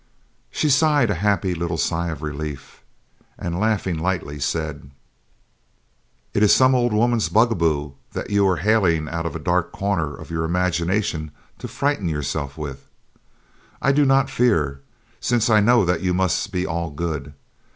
She sighed a happy little sigh of relief, and laughing lightly, said: "It is some old woman's bugaboo that you are haling out of a dark corner of your imagination to frighten yourself with. I do not fear, since I know that you must be all good.